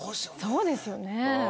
そうですよね。